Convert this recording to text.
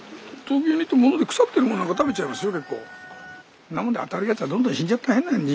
そんなもんであたるやつはどんどん死んじゃったほうがいいんだ。